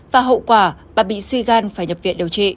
và hậu quả bà bị suy gan phải nhập viện điều trị